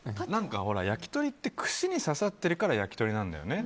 ほら、焼き鳥って串に刺さってるから焼き鳥なんだよね。